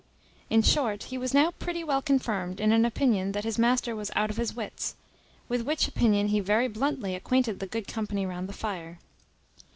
In short, he was now pretty well confirmed in an opinion that his master was out of his wits, with which opinion he very bluntly acquainted the good company round the fire.